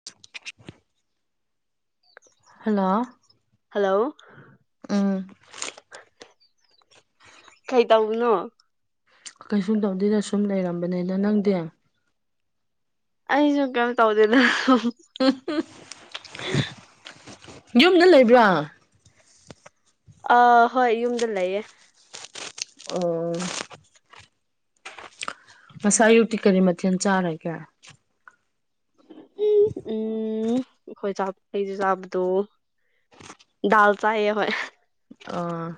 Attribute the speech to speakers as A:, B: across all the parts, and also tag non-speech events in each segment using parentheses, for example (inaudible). A: (unintelligible) Hello
B: hello
A: ꯎꯝ
B: ꯀꯩ ꯇꯧꯅꯣ
A: ꯀꯩꯁꯨꯝ ꯇꯧꯗꯗ ꯁꯨꯝ ꯂꯩꯔꯝꯕꯅꯤꯅ ꯅꯪꯗꯤ
B: ꯑꯩꯁꯨ ꯀꯩꯅ ꯇꯧꯗꯦꯗ
A: ꯎ ꯌꯨꯝꯗ ꯂꯩꯕ꯭ꯔꯥ
B: ꯑꯥ ꯍꯣꯏ ꯌꯨꯝꯗ ꯂꯩꯌꯦ
A: ꯑꯣ ꯃꯁꯥ ꯌꯨꯛꯇꯤ ꯀꯔꯤ ꯃꯊꯦꯜ ꯆꯥꯔꯦꯒꯦ
B: ꯎꯝ ꯎꯝ ꯑꯩꯈꯣꯏ ꯆꯥ ꯂꯩꯁꯦ ꯆꯥꯕꯗꯣ ꯗꯜ ꯆꯥꯏꯌꯦ ꯍ
A: ꯑ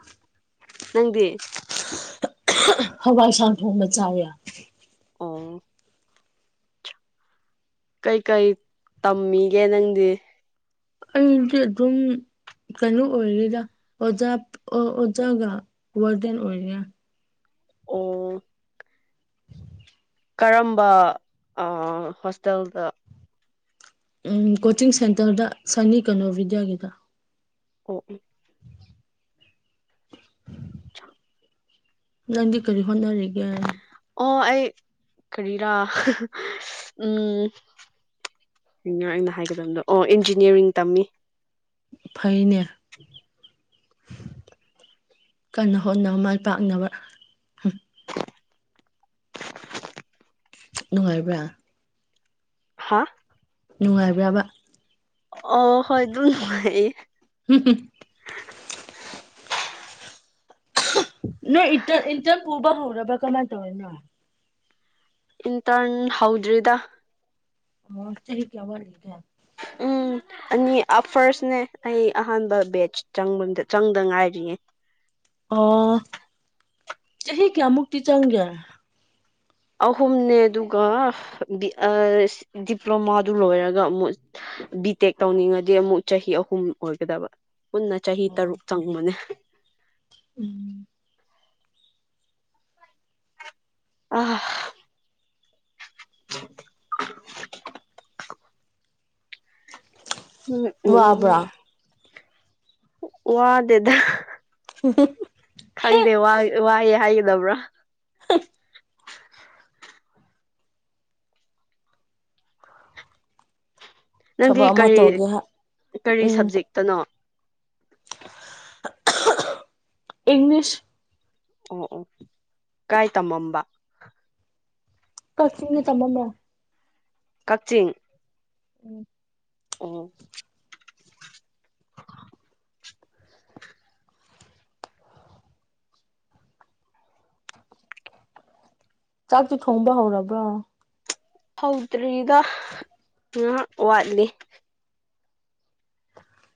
B: ꯅꯪꯗꯤ
A: ꯍꯋꯥꯏ ꯁꯥꯟ ꯊꯣꯡ ꯃꯆꯥꯌꯥ
B: ꯑꯣ ꯀꯩꯀꯩ ꯇꯝꯃꯤꯒꯦ ꯅꯪꯗꯤ
A: ꯑꯩꯗꯤ ꯑꯗꯨꯝ ꯀꯩꯅꯣ ꯑꯣꯏꯔꯤꯔ ꯑꯣꯖꯥ ꯑꯣꯖꯥꯒ ꯋꯥꯔꯗꯟ ꯑꯣꯏꯔꯤꯔꯥ
B: ꯑꯣ
A: (unintelligible)
B: ꯀꯔꯝꯕ ꯍꯣꯁꯇꯦꯜꯗ
A: ꯎꯝ ꯀꯣꯆꯤꯡ ꯁꯦꯟꯇꯔꯗ ꯁꯅꯤ ꯀꯩꯅꯣ ꯕꯤꯗ꯭ꯌꯥꯒꯤꯗ
B: ꯑꯣ ꯎ
A: (inaudible) ꯅꯪꯗꯤ ꯀꯔꯤ ꯍꯣꯟꯅꯔꯔꯤꯒꯦ
B: ꯑꯣ ꯑꯩ ꯀꯔꯤꯔꯥ ꯎꯝ ꯑꯩꯅꯣ ꯑꯩꯅ ꯍꯥꯏꯒꯗꯕꯗꯣ ꯑꯣ ꯏꯟꯖꯤꯅꯤꯌꯥꯔꯤꯡ ꯇꯝꯃꯤ
A: ꯐꯩꯅꯦ ꯀꯟꯅ ꯍꯣꯠꯅꯕ ꯃꯥꯏ ꯄꯥꯛꯅꯕ ꯅꯨꯡꯉꯥꯏꯕ꯭ꯔ
B: ꯍꯥ
A: ꯅꯨꯡꯉꯥꯏꯕ꯭ꯔꯕ
B: ꯑꯣ ꯍꯣꯏ ꯑꯗꯨ
A: ꯍꯝ ꯍꯨꯝ ꯅꯣꯏ ꯏꯟꯇꯔ ꯏꯟꯇꯔ ꯄꯨꯕ ꯍꯧꯔꯕ ꯀꯃꯥꯏꯅ ꯇꯧꯋꯦꯅꯣ
B: ꯏꯟ ꯇꯥꯟ ꯍꯥꯎꯗ꯭ꯔꯔꯤꯗ
A: ꯃꯁ ꯆꯍꯤ ꯀꯌꯥꯕꯂꯤꯒ
B: ꯎꯝ ꯑꯅꯤ ꯑꯐꯔꯁꯅꯦ ꯑꯩ ꯑꯍꯥꯟꯕ ꯕꯦꯆꯪꯕ ꯆꯪꯗ ꯉꯥꯏꯔꯤꯌꯦ
A: ꯑꯣ ꯆꯍꯤ ꯀꯌꯥꯃꯨꯛꯇꯤ ꯆꯪꯒꯦ
B: ꯑꯍꯨꯝꯅꯦ ꯑꯗꯨꯒ ꯗꯤꯄ꯭ꯂꯣꯃꯥꯗꯨ ꯂꯣꯏꯔꯒ ꯑꯃꯨꯛ ꯕꯤ ꯇꯦꯛ ꯇꯧꯅꯤꯡꯉꯗꯤ ꯑꯃꯨꯛ ꯆꯍꯤ ꯑꯍꯨꯝ ꯑꯣꯏꯒꯗꯕ ꯄꯨꯟꯅ ꯆꯍꯤ
A: ꯑꯣ
B: ꯇꯔꯨꯛ ꯆꯪꯕꯅꯦ
A: ꯎꯝ
B: ꯑ (inaudible) ꯎꯝ ꯎꯝ ꯎꯝ
A: ꯋꯥꯕ꯭ꯔꯥ
B: ꯋꯥꯗꯦꯗ
A: ꯎ
B: ꯈꯪꯗꯦ ꯋꯥꯏꯑꯦ ꯍꯥꯏꯒꯗꯕ꯭ꯔꯥ
A: (unintelligible)
B: ꯅꯪꯗꯤ
A: ꯊꯕꯛ ꯑꯃ
B: ꯀꯔꯤ
A: ꯇꯧꯒꯦ ꯍꯥꯏ?
B: ꯀꯔꯤ
A: ꯎꯝ
B: ꯁꯕꯖꯦꯛꯇꯅꯣ
A: ꯏꯪꯂꯤꯁ
B: ꯑꯣ ꯑꯣ ꯀꯥꯏ ꯇꯝꯃꯝꯕ
A: ꯀꯛꯆꯤꯡ ꯇꯃꯝꯃꯦ
B: ꯀꯛꯆꯤꯡ ꯎꯝ
A: ꯆꯥꯛꯁꯨ ꯊꯣꯡꯕ ꯍꯧꯔꯕ꯭ꯔꯣ
B: ꯍꯧꯗ꯭ꯔꯤꯗ ꯉꯥꯏꯍꯥꯛ ꯋꯥꯠꯂꯤ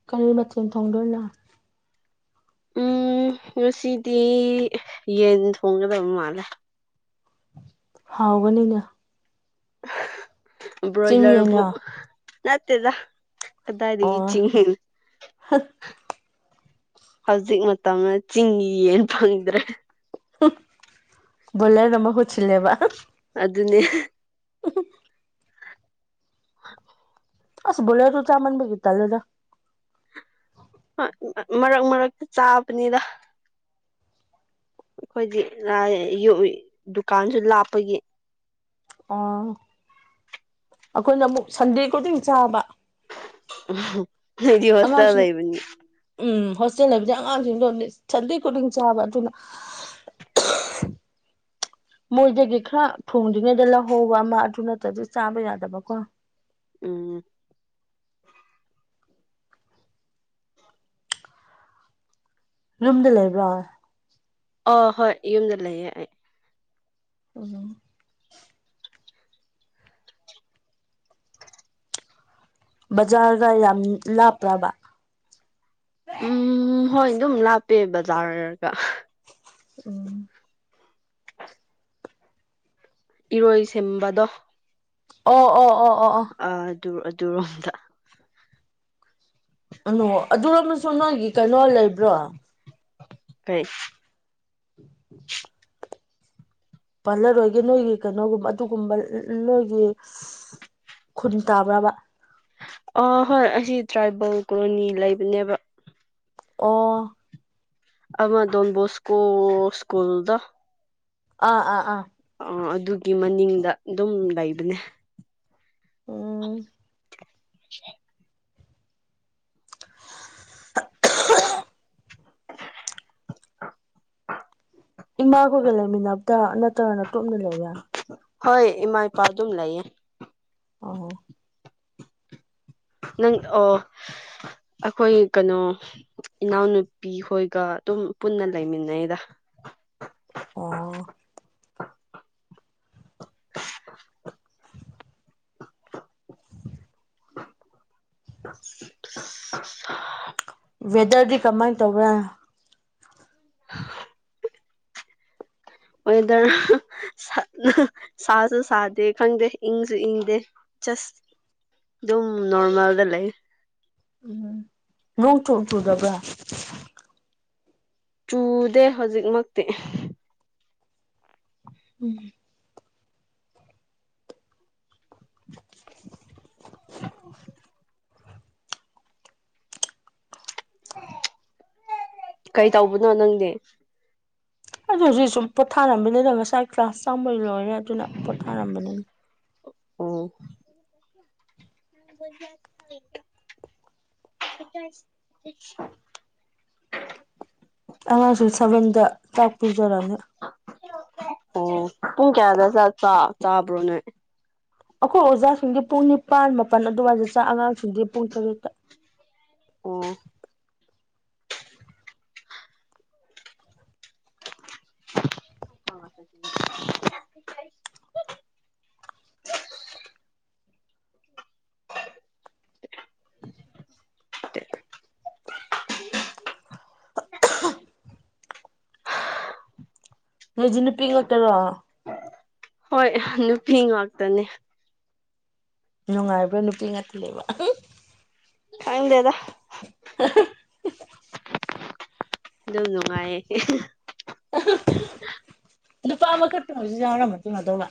A: ꯀꯔꯤ ꯃꯊꯦꯜ ꯊꯣꯡꯗꯣꯏꯅꯣ
B: ꯎꯝ ꯉꯁꯤꯗꯤ ꯌꯦꯟ ꯊꯣꯡꯒꯗꯕ ꯃꯥꯜꯂꯦ
A: ꯍꯥꯎꯕꯅꯤꯅ ꯆꯤꯡ
B: ꯕ꯭ꯔꯣꯏꯂꯔꯕꯨ
A: ꯌꯦꯟꯂꯣ
B: ꯅꯠꯇꯦꯗ ꯀꯗꯥꯏꯗꯒꯤ
A: ꯑꯣ
B: ꯆꯤꯡꯌꯦꯟ ꯍꯧꯖꯤꯛ ꯃꯇꯝꯗ ꯆꯤꯡꯒꯤ ꯌꯦꯟ ꯐꯪꯗ꯭ꯔꯦ
A: ꯕꯣꯏꯂꯔꯅ ꯃꯍꯨꯠ ꯁꯤꯜꯂꯦꯕ
B: ꯑꯗꯨꯅꯦ
A: (unintelligible)
B: ꯑ
A: ꯑꯁ ꯕꯣꯏꯂꯔꯗꯨ ꯆꯥꯃꯟꯕꯒꯤ ꯇꯜꯂꯦꯗ
B: ꯍꯣꯏ ꯃꯔꯛ ꯃꯔꯛꯇ ꯆꯥꯕꯅꯤꯗ ꯑꯩꯈꯣꯏꯗꯤ ꯗꯨꯀꯥꯟꯁꯨ ꯂꯥꯞꯄꯒꯤ
A: ꯑꯥ ꯑꯩꯈꯣꯏꯅ ꯑꯃꯨꯛ ꯁꯟꯗꯦ ꯈꯨꯗꯤꯡ ꯆꯥꯕ
B: ꯅꯪꯗꯤ ꯍꯣꯁꯇꯦꯜ
A: ꯑꯉꯥꯡꯁꯤꯡ
B: ꯂꯩꯕꯅꯤꯅ
A: ꯎꯝ ꯍꯣꯁꯇꯦꯜ ꯂꯩꯕꯁꯦ ꯑꯉꯥꯡꯁꯤꯡꯗꯣ ꯁꯟꯗꯦ ꯈꯨꯗꯤꯡ ꯆꯥꯕ ꯑꯗꯨꯅ ꯑ ꯃꯣꯏꯗꯒꯤ ꯈꯔ ꯊꯣꯡꯗ꯭ꯔꯤꯉꯩꯗ ꯂꯧꯍꯧꯕ ꯑꯃ ꯑꯗꯨ ꯅꯠꯇ꯭ꯔꯗꯤ ꯆꯥꯕ ꯌꯥꯗꯕꯀꯣ
B: ꯎꯝ
A: ꯌꯨꯝꯗ ꯂꯩꯕ꯭ꯔꯣ
B: ꯑ ꯍꯣꯏ ꯌꯨꯝꯗ ꯂꯩꯌꯦ ꯑꯩ
A: ꯎꯝ ꯕꯖꯥꯔꯒ ꯌꯥꯝ ꯂꯥꯞꯄ꯭ꯔꯕ
B: ꯎꯝ ꯍꯣꯏ ꯑꯗꯨꯝ ꯂꯥꯞꯄꯦ ꯕꯖꯥꯔꯒ
A: ꯎꯝ
B: ꯏꯔꯣꯏ ꯁꯦꯝꯕꯗꯣ
A: ꯑꯣ ꯑꯣ ꯑꯣ ꯑꯣ ꯑꯣ
B: ꯑꯗꯨ ꯑꯗꯨꯔꯣꯝꯗ
A: ꯑꯣ ꯑꯗꯨꯔꯣꯝꯗꯁꯨ ꯅꯣꯏꯒꯤ ꯀꯩꯅꯣ ꯂꯩꯕ꯭ꯔꯣ
B: ꯀꯩ
A: (unintelligible) ꯄꯜꯂꯔꯣꯏꯒꯦ ꯅꯣꯏꯒꯤ ꯀꯩꯅꯣꯒꯨꯝꯕ ꯑꯗꯨꯒꯨꯝꯕ ꯅꯣꯏꯒꯤ ꯈꯨꯟ ꯇꯥꯕ꯭ꯔꯕ
B: ꯑ ꯍꯣꯏ ꯑꯁꯤ ꯇ꯭ꯔꯥꯏꯕꯦꯜ ꯀꯣꯂꯣꯅꯤ ꯂꯩꯕꯅꯦꯕ
A: ꯑꯣ
B: ꯑꯗꯨꯃ ꯗꯣꯟꯕꯣꯁꯀꯣ ꯁ꯭ꯀꯨꯜꯗ
A: ꯑꯥ ꯑꯥ ꯑꯥ
B: ꯑ ꯑꯗꯨꯒꯤ ꯃꯅꯤꯡꯗ ꯑꯗꯨꯝ ꯂꯩꯕꯅꯦ
A: ꯎꯝ
B: (unintelligible) (inaudible)
A: ꯏꯃꯥꯒꯣꯏꯒ ꯂꯩꯃꯤꯟꯅꯕꯔꯥ ꯅꯠꯇ꯭ꯔꯒꯅ ꯅꯇꯣꯝꯇ ꯂꯩꯕꯔ
B: ꯍꯣꯏ ꯏꯃꯥ ꯏꯄꯥ ꯑꯗꯨꯝ ꯂꯩꯌꯦ
A: ꯑꯣ
B: ꯅꯪ ꯑꯣ ꯑꯩꯈꯣꯏ ꯀꯩꯅꯣ ꯏꯅꯥꯎꯅꯨꯄꯤ ꯍꯣꯏꯒ ꯑꯗꯨꯝ ꯄꯨꯟꯅ ꯂꯩꯃꯤꯟꯅꯩꯗ
A: ꯑꯣ
B: (unintelligible) (unintelligible) (inaudible) (inaudible)
A: ꯋꯦꯗꯔꯗꯤ ꯀꯃꯥꯏꯅ ꯇꯧꯕ꯭ꯔ
B: (unintelligible) (inaudible) ꯑꯣꯏꯗꯔ (inaudible) (unintelligible) ꯁꯥꯁꯨ ꯁꯥꯗꯦ ꯈꯪꯗꯦ ꯏꯪꯁꯨ ꯏꯪꯗꯦ ꯆꯠꯁ ꯑꯗꯨꯝ ꯅꯣꯔꯃꯦꯜꯗ ꯂꯩ
A: ꯎꯝ ꯅꯣꯡ ꯆꯣꯡ ꯆꯨꯗꯕ꯭ꯔ
B: ꯆꯨꯗꯦ ꯍꯧꯖꯤꯛꯃꯛꯇꯤ
A: ꯎꯝ (unintelligible)
B: ꯀꯩ ꯇꯧꯕꯅꯣ ꯅꯪꯗꯤ
A: ꯑꯗꯨ ꯍꯧꯖꯤꯛ ꯁꯨꯝ ꯄꯣꯊꯥꯔꯝꯕꯅꯤꯗ ꯉꯁꯥꯏ ꯀ꯭ꯂꯥꯁ ꯆꯥꯝꯕꯩ ꯂꯣꯏꯔꯦ ꯑꯗꯨꯅ ꯄꯣꯊꯥꯔꯝꯕꯅꯤꯗ
B: ꯑꯣ (unintelligible)
A: ꯑꯉꯥꯡꯁꯨ ꯁꯕꯦꯟꯗ ꯆꯥꯛ ꯄꯤꯖꯔꯅꯤ
B: ꯑꯣ ꯄꯨꯡ ꯀꯌꯥꯗ ꯆꯥꯛ ꯆꯥꯕ꯭ꯔꯣꯅꯣꯏ
A: ꯑꯩꯈꯣꯏ ꯑꯣꯖꯥꯁꯤꯡꯗꯤ ꯄꯨꯡ ꯅꯤꯄꯥꯥꯟ ꯃꯥꯄꯜ ꯑꯗꯨꯋꯥꯏꯗ ꯆꯥꯛ ꯑꯉꯥꯡꯁꯤꯡꯗꯤ ꯄꯨꯡ ꯇꯔꯨꯠꯇ
B: ꯑꯣ (unintelligible)
A: (unintelligible) (inaudible) (inaudible) ꯅꯣꯏꯖꯤ ꯅꯨꯄꯤ ꯉꯥꯛꯇꯔꯣ
B: ꯍꯣꯏ ꯅꯨꯄꯤ ꯉꯥꯛꯇꯅꯦ
A: ꯅꯨꯡꯉꯥꯏꯕ꯭ꯔꯥ ꯅꯨꯄꯤ ꯉꯥꯛꯇꯤ ꯂꯩꯕ (unintelligible)
B: ꯈꯪꯗꯦꯗ ꯑꯗꯨꯝ ꯅꯨꯡꯉꯥꯏꯌꯦ (unintelligible)
A: ꯅꯨꯄꯥ ꯑꯃꯈꯛꯇꯪ ꯑꯣꯏꯔꯁꯨ ꯌꯥꯎꯔꯝꯃ ꯐꯗꯧꯕ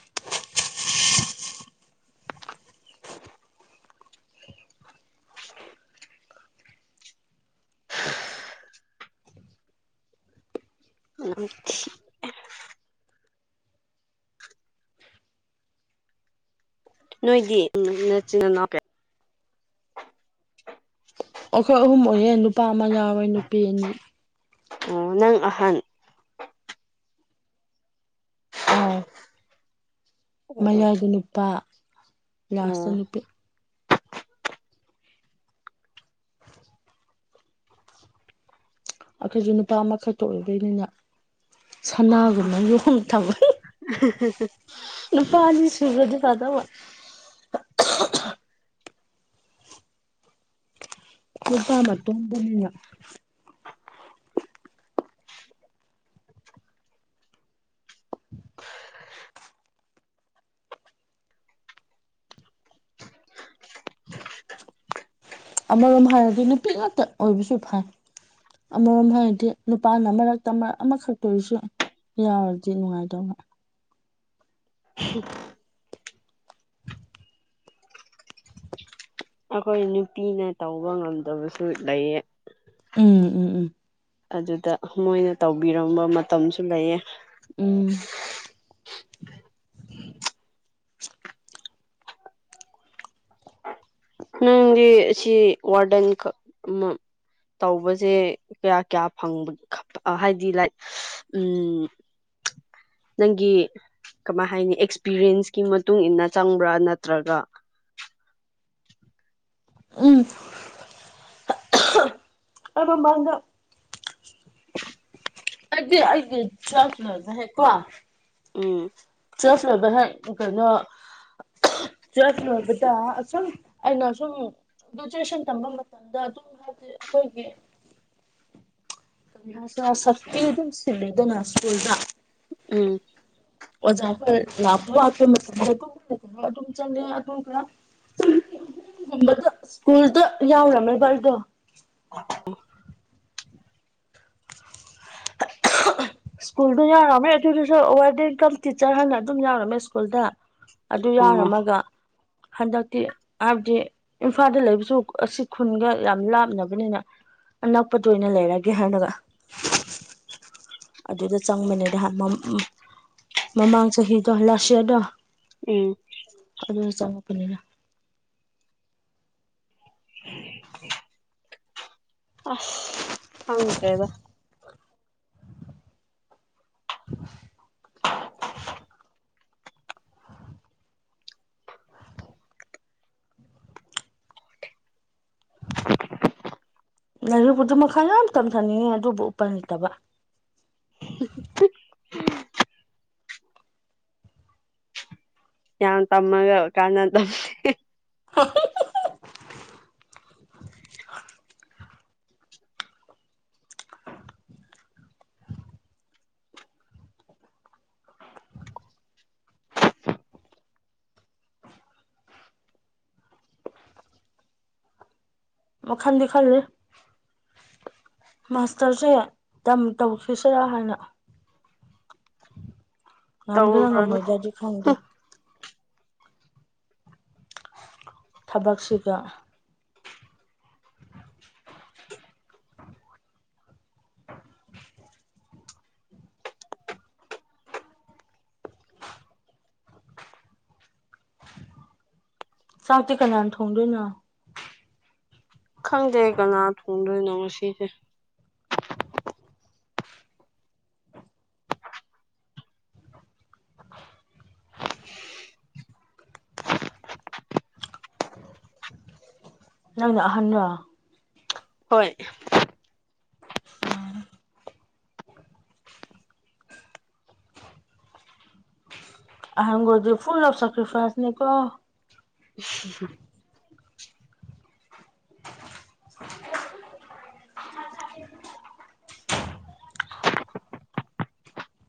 B: ꯅꯝꯊꯤ ꯅꯣꯏꯗꯤ ꯅꯆꯤ ꯅꯅꯥꯎ ꯀꯌꯥ
A: ꯑꯩꯈꯣꯏ ꯑꯍꯨꯝ ꯑꯣꯏꯌꯦ ꯅꯨꯄꯥ ꯑꯃ ꯌꯥꯎꯋꯦ ꯅꯨꯄꯤ ꯑꯅꯤ
B: ꯑꯣ ꯅꯪ ꯑꯍꯥꯟ
A: ꯑꯥꯎ
B: ꯑꯣ ꯑꯣ
A: ꯃꯌꯥꯗꯨ ꯅꯨꯄꯥ ꯂꯥꯁꯇ
B: ꯑꯣ
A: ꯅꯨꯄꯤ ꯑꯩꯈꯣꯏꯁꯨ ꯅꯨꯄꯥ ꯑꯃꯈꯛꯇ ꯑꯣꯏꯗꯣꯏꯅꯤꯅ ꯁꯅꯥꯒꯨꯝꯕ ꯌꯣꯡ ꯊꯝ
B: (unintelligible) (inaudible)
A: ꯅꯨꯄꯥ ꯑꯅꯤ ꯁꯨꯒꯔ꯭ꯗꯤ ꯐꯗꯧꯕ ꯅꯨꯄꯥ ꯃꯇꯣꯝꯗꯅꯤꯅ ꯑꯃꯔꯣꯝ ꯍꯥꯏꯔꯗꯤ ꯅꯨꯄꯤ ꯉꯥꯛꯇ ꯑꯣꯏꯕꯁꯨ ꯐꯩ ꯑꯃꯔꯣꯝ ꯍꯥꯏꯔꯗꯤ ꯅꯨꯄꯥꯅ ꯃꯔꯛꯇ ꯃꯔꯛ ꯑꯃꯈꯛꯇ ꯑꯣꯏꯔꯤꯁꯨ ꯌꯥꯎꯔꯗꯤ ꯅꯨꯡꯉꯥꯏꯗꯧꯕ
B: (inaudible)
A: (unintelligible) (inaudible)
B: ꯑꯩꯈꯣꯏ ꯅꯨꯄꯤꯅ ꯇꯧꯕ ꯉꯝꯗꯕꯁꯨ ꯂꯩꯌꯦ
A: ꯎꯝ ꯎꯝ ꯎꯝ
B: ꯑꯗꯨꯗ ꯃꯣꯏꯅ ꯇꯧꯕꯤꯔꯝꯕ ꯃꯇꯝꯁꯨ ꯂꯩꯌꯦ
A: ꯎꯝ
B: ꯅꯪꯗꯤ ꯁꯤ ꯋꯥꯔꯗꯟ ꯈꯥꯛ ꯑꯃꯥ ꯇꯧꯕꯁꯦ ꯀꯌꯥ ꯀꯌꯥ ꯐꯪꯕ (unintelligible) ꯍꯥꯏꯗꯤ ꯂꯥꯏꯛ ꯎꯝ ꯅꯪꯒꯤ ꯀꯃꯥꯏ ꯍꯥꯏꯅꯤ ꯑꯦꯛꯁꯄꯤꯔꯤꯌꯦꯟꯁꯀꯤ ꯃꯇꯨꯡ ꯏꯟꯅ ꯆꯪꯕ꯭ꯔꯥ ꯅꯠꯇ꯭ꯔꯒ
A: ꯎꯝ (unintelligible) ꯑꯩꯗꯤ ꯑꯩꯗꯤ (unintelligible)
B: ꯎꯝ
A: (unintelligible) ꯀꯩꯅꯣ ꯇꯨꯋꯦꯜꯐ ꯂꯣꯏꯕꯗ ꯑꯁꯨꯝ ꯑꯩꯅ ꯑꯁꯨꯝ ꯒꯔ꯭ꯦꯖꯨꯋꯦꯁꯟ ꯇꯝꯕ ꯃꯇꯝꯗ ꯑꯗꯨꯝ ꯍꯥꯏꯗꯤ ꯑꯩꯈꯣꯏꯒꯤ (unintelligible) ꯁꯀꯨꯜꯗ
B: ꯎꯝ
A: ꯑꯣꯖꯥ (unintelligible) (unintelligible) ꯁ꯭ꯀꯨꯜꯗ ꯌꯥꯎꯔꯝꯃꯦꯕꯥ ꯑꯩꯗꯣ
B: (unintelligible)
A: (unintelligible) ꯁ꯭ꯀꯨꯜꯗꯨ ꯌꯥꯎꯔꯝꯃꯦ ꯑꯗꯨꯗꯨꯁꯨ ꯋꯔꯗꯦꯟ ꯀꯝ ꯇꯤꯆꯔ ꯍꯥꯏꯅ ꯑꯗꯨꯝ ꯌꯥꯎꯔꯝꯃꯦ ꯁ꯭ꯀꯨꯜꯗ ꯑꯗꯨ
B: ꯑꯣ
A: ꯌꯥꯔꯝꯃꯒ ꯍꯟꯗꯛꯇꯤ ꯍꯥꯏꯕꯗꯤ ꯏꯝꯐꯥꯜꯗ ꯂꯩꯕꯁꯨ ꯑꯁꯤ ꯈꯨꯟꯒ ꯌꯥꯝ ꯂꯥꯞꯅꯕꯅꯤꯅ ꯑꯅꯛꯄꯗ ꯑꯣꯏꯅ ꯂꯩꯔꯒꯦ ꯍꯥꯏꯅꯒ ꯑꯗꯨꯗ ꯆꯪꯕꯅꯦꯗꯥ ꯃꯃꯥꯡ ꯆꯍꯤꯗꯣ ꯂꯥꯁ ꯌꯔꯗꯣ
B: ꯎꯝ
A: ꯑꯗꯨꯗ ꯆꯪꯉꯛꯄꯅꯤꯅ
B: ꯑꯁ ꯈꯪꯗ꯭ꯔꯦꯗ
A: (unintelligible) ꯂꯥꯏꯔꯤꯛꯄꯨꯗꯨ ꯃꯈꯥ ꯌꯥꯝ ꯇꯝꯊꯅꯤꯡꯉꯤ ꯑꯗꯨꯕꯨ ꯎꯄꯥꯏ ꯂꯩꯇꯕ
B: (inaudible) ꯌꯥꯝ ꯇꯝꯃꯒ ꯀꯥꯟꯅꯗ
A: (inaudible) ꯋꯥꯈꯥꯟꯗꯤ ꯈꯜꯂꯤ ꯃꯥꯁꯇꯔꯁꯦ ꯇꯝ ꯇꯧꯈꯤꯁꯤꯔꯥ ꯍꯥꯏꯅ ꯉꯝꯒꯦꯔ
B: ꯇꯧꯔꯨꯔꯅꯨ
A: ꯉꯝꯃꯣꯏꯒꯦꯔꯗꯤ ꯈꯪꯗꯦ ꯊꯕꯛꯁꯤꯒ ꯆꯥꯛꯇꯤ ꯀꯅꯥꯟ ꯊꯣꯡꯗꯣꯏꯅꯣ
B: ꯈꯪꯗꯦ ꯀꯅꯥ ꯊꯣꯡꯗꯣꯏꯅꯣ ꯉꯁꯤꯁꯦ
A: ꯅꯪꯅ ꯑꯍꯟꯔꯥ
B: ꯍꯣꯏ
A: ꯑꯣ ꯑꯍꯒꯣꯏꯗꯤ ꯐꯨꯜ ꯑꯣꯐ ꯁꯦꯀ꯭ꯔꯤꯐꯥꯏꯁꯅꯦ ꯀꯣ
B: (unintelligible)
A: (unintelligible)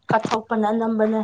A: ꯀꯠꯊꯣꯛꯄꯅ ꯑꯅꯝꯕꯅꯦ